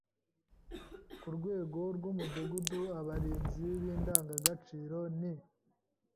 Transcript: Ku rwego rw’Umudugudu abarinzi b’indangagaciro ni